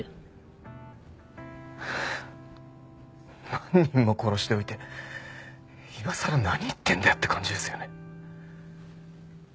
何人も殺しておいて今さら何言ってんだよって感じですよね。